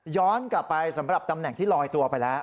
กลับไปสำหรับตำแหน่งที่ลอยตัวไปแล้ว